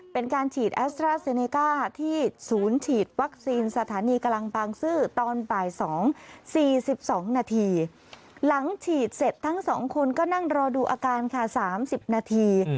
เป็นการฉีดแอสตราเซเนก้าที่ศูนย์ฉีดวัคซีนสถานีกำลังบางซื่อตอนบ่าย๒๔๒นาทีหลังฉีดเสร็จทั้งสองคนก็นั่งรอดูอาการค่ะ๓๐นาที